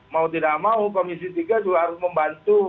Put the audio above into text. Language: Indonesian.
mau tidak mau komisi tiga juga harus membantu